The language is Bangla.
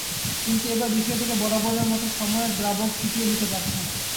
কিন্তু এবার বিষয়টিকে বরাবরের মতো সময়ের দ্রাবক থিতিয়ে নিতে পারছে না।